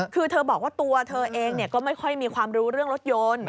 คือเธอบอกว่าตัวเธอเองก็ไม่ค่อยมีความรู้เรื่องรถยนต์